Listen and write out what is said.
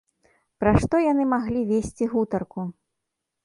Пра што яны маглі весці гутарку?